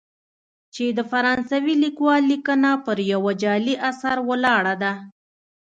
چې د فرانسوي لیکوال لیکنه پر یوه جعلي اثر ولاړه ده.